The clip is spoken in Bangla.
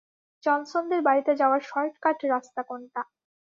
জনসনদের বাড়িতে যাওয়ার শর্টকাট রাস্তা কোনটা?